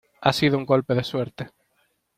ha sido un golpe de suerte.